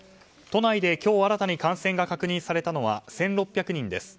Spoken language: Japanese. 都内で今日新たに感染が確認されたのは１６００人です。